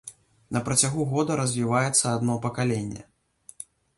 На працягу года развіваецца адно пакаленне.